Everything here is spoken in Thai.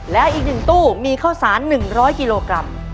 และอีก๑ตู้มีข้าวสาร๑๐๐กิโลกรัม